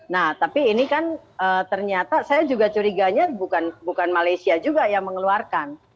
nah tapi ini kan ternyata saya juga curiganya bukan malaysia juga yang mengeluarkan